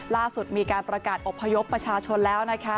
ล่าสุดมีการประกาศอบพยพประชาชนแล้วนะคะ